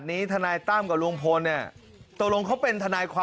น้องอยู่ตรงเนี่ยค่ะ